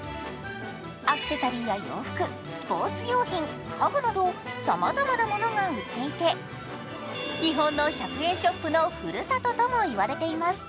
アクセサリーや洋服、スポーツ用品家具などさまざまなものが売っていて日本の１００円ショップのふるさととも言われています。